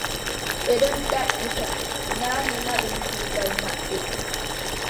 Ɓe ɗon ɗaɓɓita, naane ma ɗum kuugal maɓɓe.